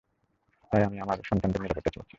তাই আমি আমার ও আমার সন্তানদের নিরাপত্তা চেয়েছি।